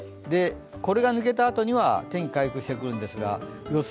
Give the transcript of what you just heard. これが抜けたあとには天気が回復してくるんですが予想